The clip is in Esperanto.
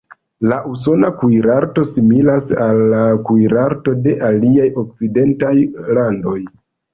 La usona kuirarto similas al la kuirarto de aliaj okcidentaj landoj.